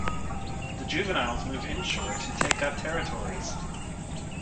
The juveniles move inshore to take up territories.